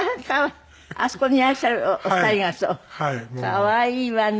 可愛いわね！